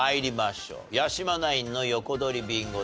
八嶋ナインの横取りビンゴです。